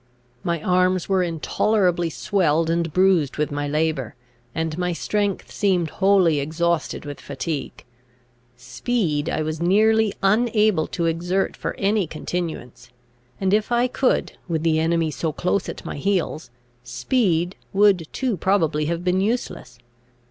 My arms were intolerably swelled and bruised with my labour, and my strength seemed wholly exhausted with fatigue. Speed I was nearly unable to exert for any continuance; and, if I could, with the enemy so close at my heels, speed would too probably have been useless.